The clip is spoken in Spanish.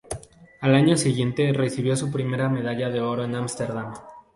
Al año siguiente, recibió su primera medalla de oro en Ámsterdam.